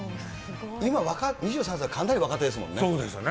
今、２３歳、かなり若手ですもんそうですよね。